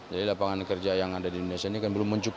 jadi lapangan kerja yang ada di indonesia ini kan belum mencukupi